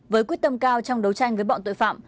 với quyết tâm cao trong đấu tranh với bọn tội phạm